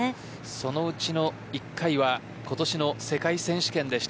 そのうちの１回は今年の世界選手権でした。